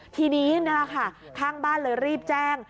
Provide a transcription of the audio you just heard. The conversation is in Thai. ทีนี้นะคะข้างบ้านเลยรีบแจ้ง